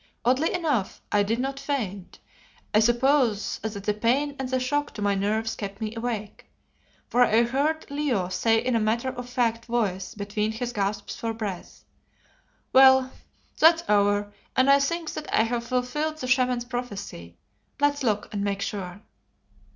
Oddly enough, I did not faint; I suppose that the pain and the shock to my nerves kept me awake, for I heard Leo say in a matter of fact voice between his gasps for breath "Well, that's over, and I think that I have fulfilled the Shaman's prophecy. Let's look and make sure."